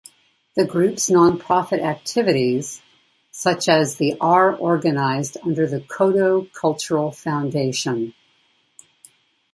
The group's non-profit activities, such as the are organized under the Kodo Cultural Foundation.